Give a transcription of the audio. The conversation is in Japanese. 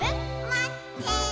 「まってー」